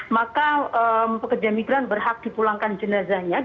maka pekerja migran berhak dipulangkan jenazahnya ke laut